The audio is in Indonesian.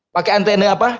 pakai antena apa